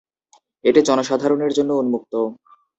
এটি জনসাধারণের জন্য উন্মুক্ত।